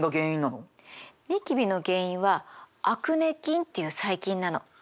ニキビの原因はアクネ菌っていう細菌なの。